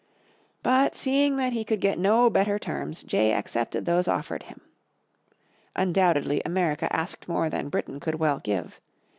But seeing that he could get no better terms Jay accepted those offered him. Undoubtedly America asked more than Britain could well give.